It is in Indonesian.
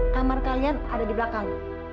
kamar kalian ada di belakang